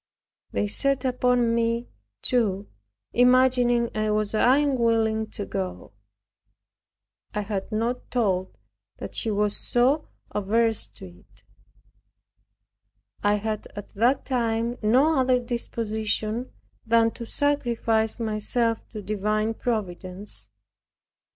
They set upon me, too, imagining I was unwilling to go. I had not told that she was so averse to it. I had at that time no other disposition than to sacrifice myself to divine Providence.